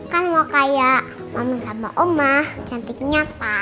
kan mau kayak ngomong sama umah cantiknya pa